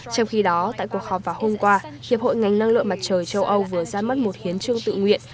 trong khi đó tại cuộc họp vào hôm qua hiệp hội ngành năng lượng mặt trời châu âu vừa ra mắt một hiến trương tự nguyện